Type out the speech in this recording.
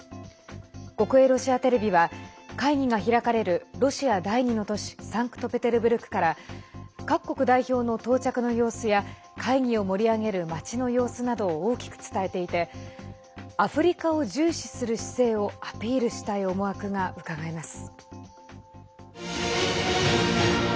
国営ロシアテレビは会議が開かれるロシア第２の都市サンクトペテルブルクから各国代表の到着の様子や会議を盛り上げる街の様子などを大きく伝えていてアフリカを重視する姿勢をアピールしたい思惑がうかがえます。